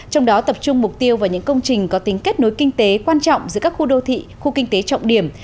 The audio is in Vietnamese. trong đó tập trung mục tiêu vào những công trình có tính kết nối kinh tế quan trọng giữa các khu đô thị khu kinh tế trọng điểm